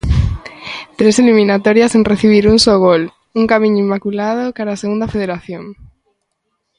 Tres eliminatorias sen recibir un só gol, un camiño inmaculado cara a Segunda Federación.